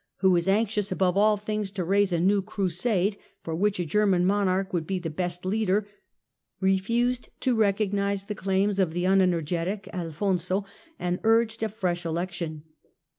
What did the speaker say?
who was anxious above all things to raise a new Crusade, for which a German monarch would be the best leader, refused to recognise the clailBS of the un energetic Alfonso, and urged a fresh election.